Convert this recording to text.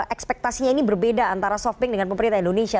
ekspektasinya ini berbeda antara softbank dengan pemerintah indonesia